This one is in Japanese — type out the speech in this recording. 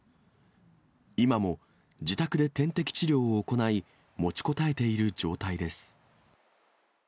今も自宅で点滴治療を行い、持ちこたえている状態です。